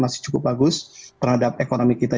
masih cukup bagus terhadap ekonomi kita